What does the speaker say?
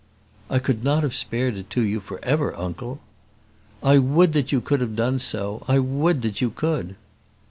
"I could not have spared it to you for ever, uncle." "I would that you could have done so; I would that you could!"